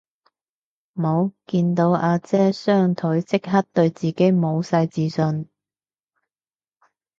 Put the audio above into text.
無，見到阿姐雙腿即刻對自己無晒自信